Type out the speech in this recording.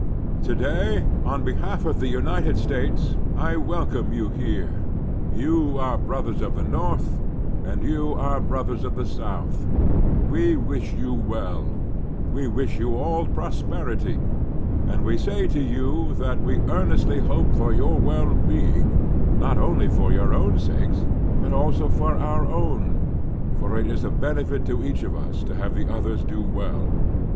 To day on behalf of the United States I welcome you here — you, our brothers of the North, and The Two Americas ms you, OUT brothers of the South ; we wish you well ; we wish you all prosperity; and we say to you that we earnestly hope for your well being, not only for your own sakes, but also for our own, for it is a benefit to each of us to have the others do well.